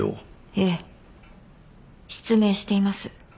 ええ失明しています。